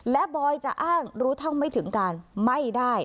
และบอยจะอ้างรู้เท่าไม่ถึงการไม่ได้